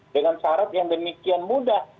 dengan syarat yang demikian mudah